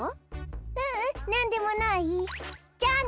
ううんなんでもないじゃあね。